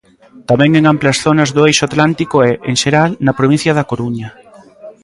Tamén en amplas zonas do eixo atlántico e, en xeral, na provincia da Coruña.